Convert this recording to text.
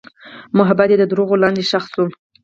محبت مې د دروغو لاندې ښخ شو.